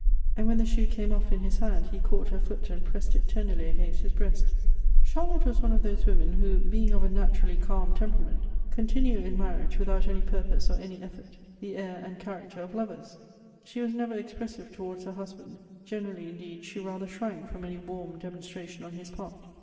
And when the shoe came off in his hand, he caught her foot and pressed if tenderly against his breast. Cliarlotte was one of those women who, being of a naturally calm temperament, continue in marriage, witli out any purpose or any effort, the air and character of lovers. She was Ufi ver express ive towards hor husband ; generallj', indeed, she rather shrank t'rom any~WnTiir demonstration on his part.